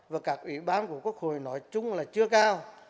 và các ủy ban của quốc hội nói chung là chưa cao